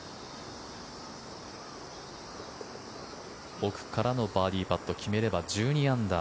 奥からのバーディーパット決めれば１２アンダー